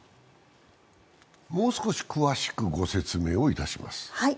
もう少し詳しくご説明をいたします。